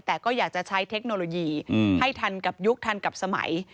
แต่ก็อยากจะใช้เทคโนโลยีให้ทันกับยุคทันกับสมัย